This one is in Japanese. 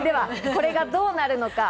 これがどうなるのか？